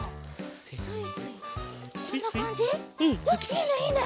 いいねいいね！